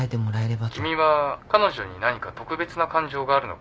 ☎君は彼女に何か特別な感情があるのか？